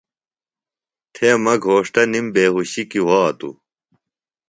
تھےۡ مہ گھوݜٹہ نِم بیہُوشیۡ کیۡ وھاتوۡ